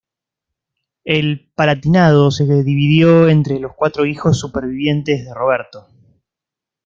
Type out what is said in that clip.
El Palatinado se dividió entre los cuatro hijos supervivientes de Roberto.